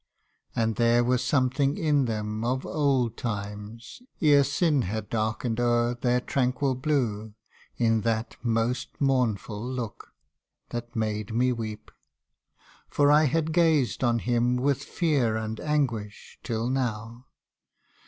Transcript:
And there was something in them of old times, Ere sin had darkened o'er their tranquil blue, In that most mournful look that made me weep ;" For I had gazed on him with fear and anguish Till now.